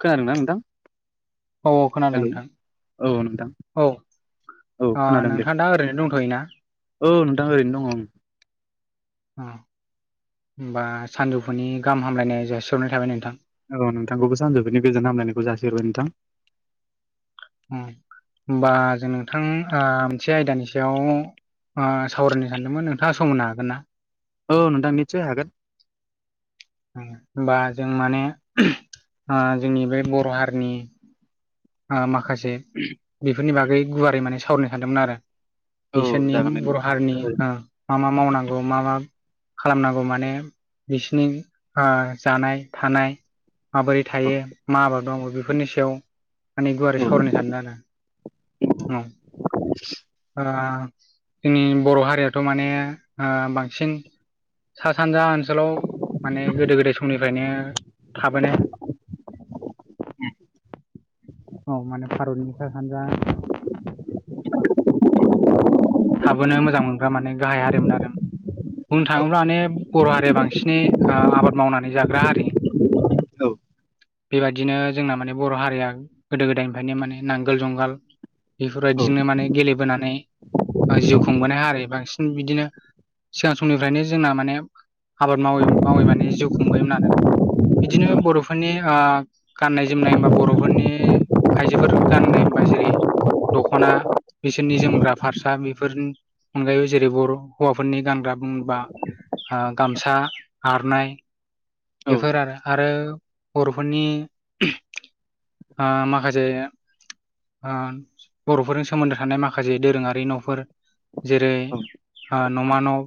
खोनादोंना नोंथां औ औ खोनादों हेलौ नोंथां औ नोंथां औ औ ओ नोंथाङा दा ओरैनो दंथयो ना ओ नोंथां ओरैनो दङ ओ अ होमबा सानजौफुनि गाहाम हामलायनाय जासिहरनाय थाबाय नोंथां औ नोंथांखौबो सानजौफुनि गोजान हामलायनायखौ जासिहरबाय नोंथां ओम होमबा जों नोंथां ओ मोनसे आयदानि सायाव ओ सावरायनो सानदोंमोन नोंथाङा सम होनो हागोन ना औ नोंथां निसय हागोन होमबा जों माने ओ जोंनि बे बर हारिनि ओ माखासे बेफोरनि बागै गुवारै माने सावरायनो सानदोंमोन आरो औ बिसोरनि जागोन दे बर' नोंथां हारिनि ओ मा मा मावनांगौ मा मा? खालामनांगौ माने बिसिनि ओ जानाय थानाय माबोरै औ थायो मा आबाद मावो बेफोरनि सायाव माने गुवारै सावरायनो सानदों आरो औ ओ जोंनि बर' हारियावथ माने ओ बांसिन सा सानजा ओनसोलाव माने गोदो गोदाय समनिफायनो थाबोनाय [inaudible] औ माने भारतनि सा सानजा थाबोनो मोजां मोनग्रा माने गाहाय हारिमोन आरो बुंनो थाङोब्ला माने बर हारिया बांसिनै ओ आबाद मावनानै जाग्रा हारि औ बेबायदिनो जोंना माने बर हारिया गोदो गोदायनिफायनो माने नांगोल जुंगाल औ बेफोरबायदिजोंनो माने गेलेबोनानै जिउ ओ खुंबोनाय हारि बांसिन बिदिनो सिगां समनिफ्रायनो जोंना माने आबाद मावै मावै माने जिउ खुंबोयोमोन आरो बिदिनो बरफ फोरनि ओ गाननाय जोमनाय होनबा बरफोरनि आइजोफोर गाननाय होमबा जेरै दखना बिसोरनि जोमग्रा फास्रा बेफोर अनगायैबो जेरै बर' हौवाफोरनि गानग्रा बुंबा आ गामसा आरनाय बेफोर आरो आरो बरफोरनि आ माखासे ओ बर'फोरजों सोमोन्दो थानाय माखासे दोरोङारि न'फोर जेरै ओ न'मा न'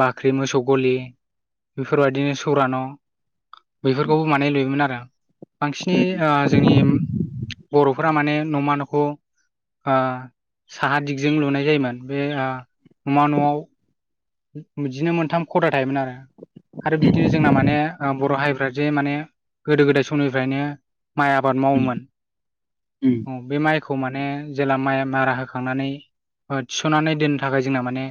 बाख्रि मोसौ गलि बेफोरबायदिनो सौरा न' बेफोरखौबो माने लुयोमोन आरो बांसिनै ओ जोंनि बर'फोरा माने न'मा न'खौ ओ साहा दिगजों लुनाय जायोमोन बे ओ न'मा न'आव बिदिनो मोनथाम खदा थायोमोन आरो। आरो बिदिनो जोंना माने बर' हारिफ्रा जे माने गोदो गोदाय समनिफ्रायनोय माइ आबाद मावोमोन औ बे माइ खौ माने जेला माइ मारा होखांनानै थिस'नानै दोननो थाखाय जोंना माने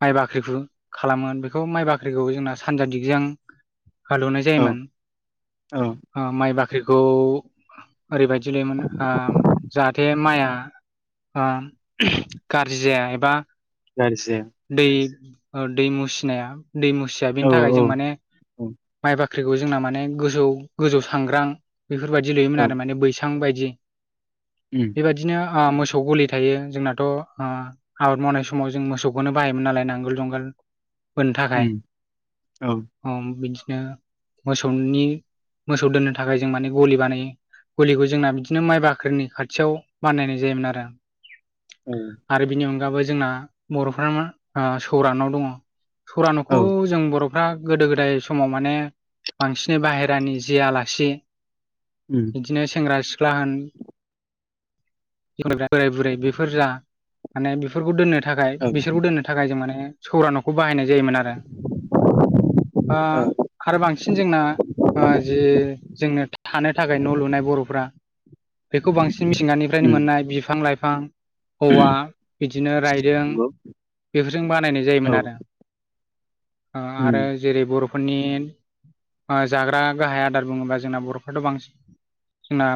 माइ बाख [unintelligible] खालामो बेखौ माइ बाख्रिखौ जोंना सानजा दिगजों हा लुनाय औ जायोमोन औ ओ माइ बाख्रिखौ ओरैबायदि लुयोमोन ओ जाहाथे माइआ ओ गाज्रि जाया एबा गारजि जाया दै ओ दै मुसिनाया दै मुसिया बेनि औ थाखाय जों माने औ माइ बा फाख्रिखौ जोंना माने गोजौ गोजौ सांग्रां बेफोरबायदि लुयोमोन औ आरो माने बैसां बायदि औ बेबायदिनो ओ मोसौ गलि थायो जोंनाथ' ओ आबाद मावनाय समाव जों मोसौखौनो बाहायोमोन नालाय नांगोल जुंगाल होनो थाखाय नंगौ औ [unintelligible] बियो मोसौनि मोसौ दोननो थाखाय जों माने गलि बानायो। गलिखौ जोंना बिदिनो माइ बाख्रिनि खाथियाव बानायनाय जायोमोन आरो। औ आरो बिनि अनगाबो जोंना बर'फोरा मा सौरानाव दङ। सोरा औ न'खौ जों बर' फ्रा गोदो गोदाय समाव माने बांसिनै बाहेरानि जि आलासि बिदिनो सेंग्रा सिख्ला होन [unintelligible] बोराय बुरै बेफोर जा माने बेफोरखौ दोननो थाखाय औ बिसोरखौ दोननो थाखाय जों माने सौरा न'खौ बाहायनाय जायोमोन आरो ओ आरो बांसिन जोंना जि जोंनो थानो थाखाय न' लुनाय बर'फ्रा बेखौ बांसिन मिथिंगानिफ्रायनो मोननाय बिफां लाइफां हौवा बिदिनो रायदों बेफोरजोंबा जायोमोन ओ आरो जेरै बर'फोरनि जाग्रा गाहाय आदार बुङोबा जोंना बर'फ्राथ' बांसिन जोंना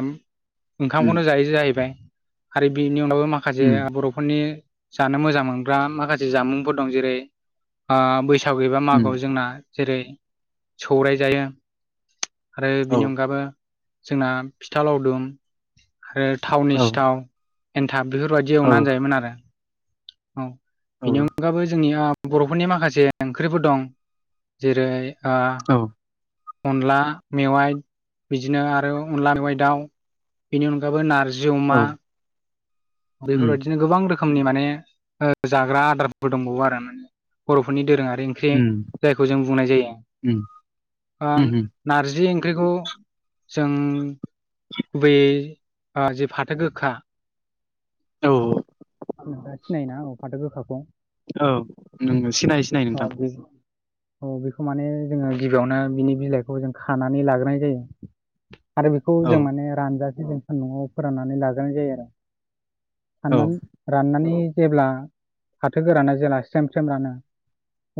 ओंखामखौनो जायो जाहैबाय आरो बिनि अनगाबो माखासे बर'फोरनि जानो मोजां मोनग्रा माखासे जामुंफोर दं जेरै ओ बैसागु एबा मागो आव जोंना जेरै सौराय जायो आरो बिनि अनगाबो जोंना फिथा लावदुम आरो थावनि सिथाव एन्था थाब बेफोरबायदि एवनानै जायोमोन आरो। अ बिनि जोंनि ओ बर'फोरनि माखासे ओंख्रिफोर दं जेरै ओ औ अनला मेवाइ बिदिनो आरो अनला मेवाइ दाउ बेनि अनगायैबो नारजि जि औ अमा उम बेफोरबायदिनो गोबां रोखो रोखोमनि माने ओ जाग्रा आदारबो दंबावो आरो माने बर'फोरनि दोरोङोआ रि ओंख्रि उम जायखौ जों बुंनाय उम जायो उम नारजि ओं ख्रिखौ जों गुबैयै जि फाथो गोखा औ। नोंथांङा सिनायोना औ फाथो गोखाखौ? औ नोंगो सिनायो सिनायो नोंथां। औ बे औ बेखौ माने जोङो गिबियावनो बिनि बिलाइखौ जों खानानै लाग्रोनाय जायो आरो बेखौ औ जों माने रानजासे जों स न'आव फोराननानै लागाय जायो आरो औ हाननानै राननानै जेब्ला फाथो गोराना जेब्ला सेम सेम रानो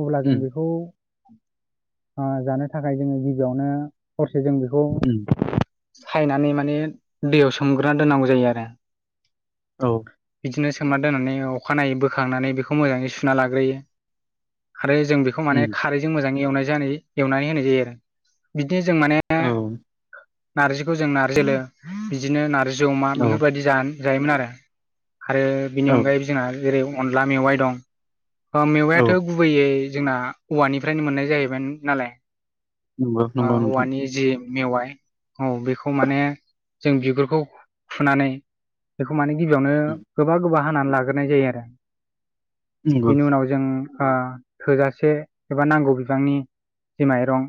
अब्ला जों उम बेखौ ओ जानो थाखाय जोङो गिबियावनो हर जों बेखौ उम सायनानै माने दैयाव सोमग्रोना दोननांगौ जायो आरो औ बिदिनो सोमना दोननानै अखानायै बोखांनानै बेखौ मोजाङै सुना लाग्रोयो आरो जों बेखौ माने उम खारैजों मोजां एवनाय जानाय एवनानै होनाय जायो आरो बि बिदिनो जों माने औ नारजिखौ जों नारजि बिदिनो नारजि जमा औ बेफोरबायदि जायोमोन आरो आरो बेनि औ अनगायै जोंहा जेरै अनला मेवाइ दं औ मेवायाथ' गुबैयै जोंना औवानिफ्रायनो मोननाय जायोमोन नालाय नंगौ बा नंगौ नोंथां औवानि जि मेवाइ औ बेखौ माने जों बिगुरखौ फुनानै बेखौ माने गिबियावनो उम गोबा गोबा हानानै लाग्रोनाय जायो आरो नंगौ बेनि उनाव जों ओ थोजासे एबा नांगौ बिबांनि जि माइरं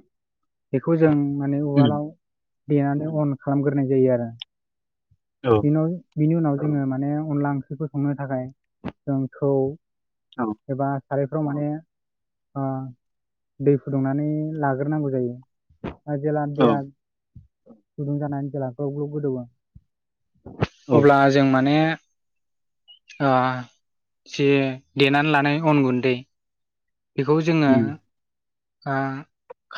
बेखौ जों माने उम उवालाव देनानै अन खालामग्रोनाय जायो आरो औ बेनय बिनि उनाव जोङो माने अनला ओंख्रिखौ संनो थाखाय जों थौ औ एबा सारायफ्राव माने दै फुदुंनानै लाग्रोनांगौ जायो। जेला औ दैया गुदुं जानानै जेला ग्लब ग्लब गोदौवो औ अब्ला जों माने अ जे देनानै लानाय अन गुन्दै बेखौ जोङो उम ओ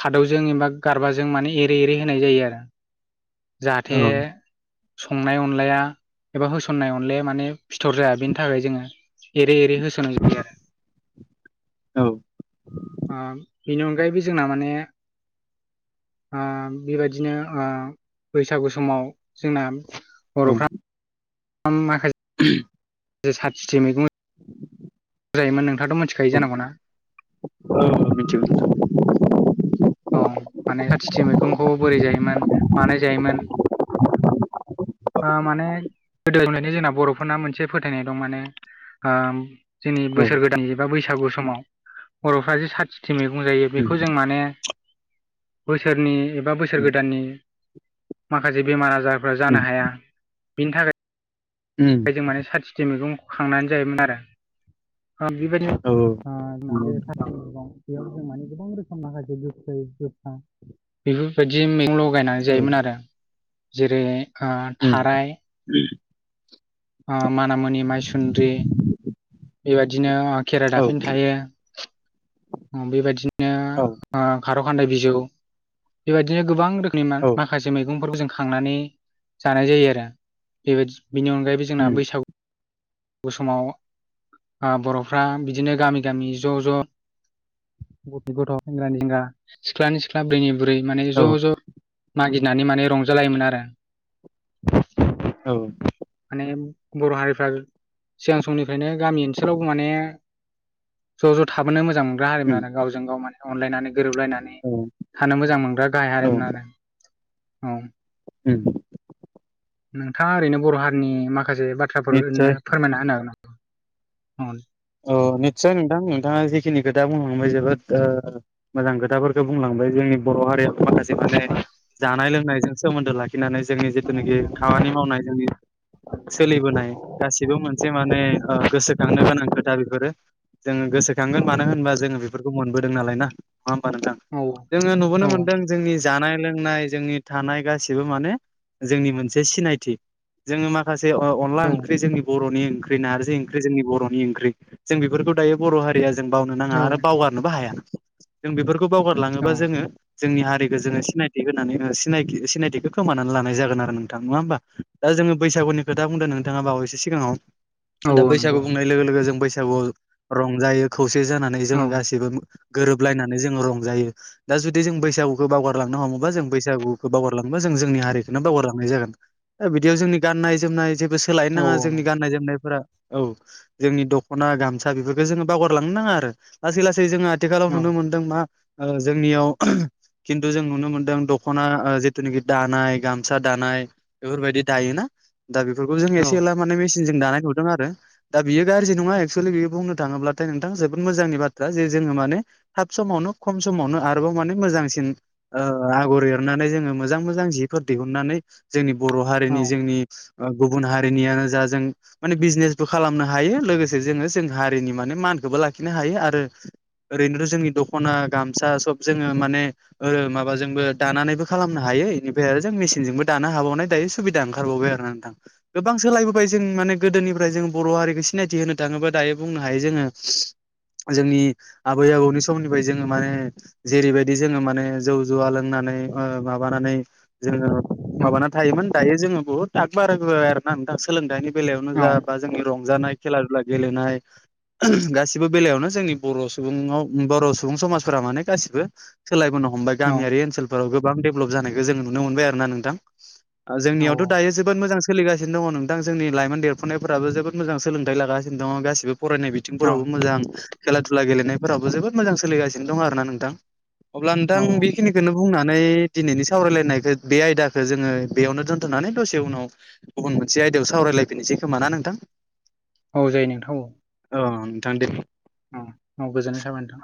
खादौजों एबा गारबाजों माने एरै-एरै होनाय जायो आरो। जाहाथे औ संनाय अनलाया एबा होसननाय अनलाया माने फिथर जाया बेनि थाखाय जोङो ओरै ओरै होसोनिरयो आरो औ बेनि अनगायैबो जोंना माने ओ बेबायदिनो ओ बैसागु समाव जोंना औ [unintelligible] माखा साथि मैगं [unintelligible] नोंथांआथ' मिथिखायो औ जानांगौ ना? मिथिगौ नोंथां। औ माने खाथिथि मैगंखौ बोरै जायोमोन मानाय जायोमोन। ओ माने गोदोनि बादि जोंना बर'फोरना मोनसे फोथायनाय दं माने ओम जोंनि औ बोसोर गोदान एबा बैसागु समाव बर'फ्रा जे साथि थि मैगं जायो उम बेखौ जों माने बोसोरनि एबा बोसोर उम गोदाननि माखासे बेमार आजारफ्रा जानो उम हाया बिनि थाखाय उम जों माने साथिथि मैगंखौ खांनानै जायोमोन आरो। ओ बिबायदि औ बे ओ साथ मैगं [unintelligible] बेयाव जों माने गोबां रोखोम माखासे गोैखै गोखा बेफोरबायदि मैगं लगायनानै औ जायोमोन आरो जेरै ओ उम थाराय ओ मानामुनि माइसुन्द्रि बेबायदिनो खेरा औ दाफिनो थायो बेबायदिनो औ ओ खार' खान्दाय बिजौ बेबायदिनो गोबां रो खोमनि माखासे मैगंफोरखौ जों खांनानै जानाय जायो आरो बेबायदि बेनि अनगायैबो जोंना उम बैसागु समाव ओ बर'फ्रा बिदिनो गामि गामि ज' ज' गथ गथ' सेंग्रानि सेंग्रा सिख्लानि सिख्ला बुरैनिनि बुरै माने औ ज' ज' मागिनानै माने रंजालायोमोन आरो। औ माने बर' हारिफ्रा सिगां समनिफ्रायनो गामि ओनसोलावबो माने ज' ज' थाबोनो मोजां मोनग्रा हारिमोन आरो गावजों गाव माने अनलायनानै। गोरोबलायनानै थानो मोजां मोनग्रा गाहाय औ हारिमोन आरो औ। उम नोंथाङा ओरैनो बर' हारिनि माखासे बाथ्राफोर निस्सय ओरैनो फोरमायना होनो हागोन नामा औ [inaudible] [unintelligible] औ निस्सय नोंथां नोंथाङा जिखिनि खोथा बुंलांबाय जोबोद ओ मोजां खोथाफोरखौ बुंलांबाय जोंनि बर' हारियाव माखासे माने जानाय लोंनायजों सोमोन्दो लाखि खिनानै जोंनि जिथुनाखि खामानि नामा? मावनाय जोंनि सोलिबोनाय गासिबो मोनसे औ माने ओ गोसोखांनो गोनां बेफोरो जोङो गोसोखांगोन मानो होनबा जोङो बेफोरखौ मोनबोदों नालाय ना नङा होमबा नोंथां औ जोङो नुबोनो औ मोनदों जोंनि जानाय लोंनाय जोंनि थानाय गासिबो माने जोंनि मोनसे सिनायथि जोङो माखासे जे ओ अनला ओंख्रि जोंनि बरनि ओंख्रि नारजि ओंख्रि जोंनि बरनि ओंख्रि जों बेफोरखौ दायो बर हारिया जों बावनो नाङा औ आरो बावगारनोबो हाया जों बेफोरखौ खौ बावगारलाङोबा औ जोङो जोंनि हारिखौ जोङो सिनायथि होनानै ओ सिनायथि-सिनायथिखौ खोमानानै लानाय जागोन आरो नोंथां नङा होमबा दा जोङो बैसागुनि खोथा बुंदों नोंथाङा बावैसो सिगाङाव दा औ नंगौ बैसागु बुंनाय लोगो लोगो जों बैसागुआव रंजायो खौसे जानानै औ जोङो गासिबो गोरोबलायनानै जोङो रंजायो दा जुदि जों बैसागुखौ बावगारलांनो हमोबा जों बैसागुखौ बावगारलां ङोबा जों जोंनि हारिखोनो बावगारलांनाय जागोन दा बिदिआव जोंनि गाननाय जोमनाय सोलायनो औ नाङा जोंनि गाननाय जोमनायफोरा औ जोंनि दख खना गामसा बेफोरखौो जोङो बावगारलांनो नाङा आरो लासै लासै जोङो आथिखालाव औ नुनो मोनदों मा ओ जोंनियाव खिन्थु जों नुनो मोन्दों दखना ओ जिथुनाखि दानाय गामसा दानाय बेफोरबायदि दायोना दा बेफोरखौ जों एसे एला माने मेसिनजों दानाय नुदों आरो दा बियो गाज्रि नङा एक्सलि बेयो बुंनो थाङोब्लाथाय नोंथां जोबोद मोजांनि बाथ्रा जे जोङो माने थाब समावनो खम समावनो आरोबाव बाव माने मोजांसिन आगर एरनानै जोङो मोजां मोजां जिफोर दिहुननानै जोंनि बर औ हारिनि जोंनि गुबुन हारिनियानो जा जों माने बिजनेसबो खालामनो हायो लोगोसे जोङो जों हारिनि माने मानखौबो लाखिनो हायो आरो ओरैनोथ जोंनि दखना गामसा सब जोङो माने ओ माबाजोंबो दानानैबो खालामनो हायो हायो बेनिफ्राय जों मेसिनजोंबो दानो हाबावनाय दायो सुबिदा ओंखारबावबाय आरो नोंथां गोबां सोलायबोबाय जों माने गोदोनिफ्राय जों बर हारिखौ सिनायथि होनो थाङोबा दायो बुंनो हायो जोङो जोंनि आबै आबौनि समनिफ्राय जोङो माने जेरैबायदि जोङो माने जौ जुवा लोंनानै नै ओ माबानानै जोङो औ माबाना थायोमोन दायो जोङो बुहुत आगबारायबोबाय आरो ना नोंथां सोलोंथायाइनि बेलायावनो जा बा जोंनि रंजानाय खेला दुला गेलेनाय गासिबो बेलायावनो जोंनि बर' सुबुंआव बर' सुबुं समाजफोरा माने गासिबो सोलायबोनो हमबाय औ गामियारि ओनसोलफोराव गोबां डेभलप जानायखौ जों नुनो मोनबाय आरो ना नोंथां ओ जोंनियावथ दायो जोबोद मोजां सोलिगासिनो दङ नोंथां जोंनि लाइमोन देरफुनायफोराबो जोबोद मोजां सोलोंथाइ लागासिनो नो दङ गासिबो फरायनाय बिथिंफोरावबो मोजां खेला दुला गेलेनायफोरावबो जोबोद मोजां सोलिगानो दं आरो ना नोंथां अब्ला नोंथां बेखिनिखौनो बुंना नै दिनिनि सावनाय रावरायलायनाखो बे आयदाखौ जोङो बेयावनो दोनथनानै दसे उनाव गुबुन मोनसे आयदायाव सावरायलायफिननोसै खोमा ना नोंथां औ जायो नोंथां औ अ नोंथां दे औ गोजोननाय थाबाय नोंथां।